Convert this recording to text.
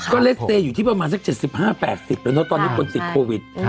ก็เลสเตย์อยู่ที่ประมาณสัก๗๕๘๐แล้วเนอะตอนนี้คนติดโควิด